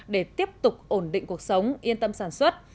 để tiếp tục ổn định cuộc sống yên tâm sản xuất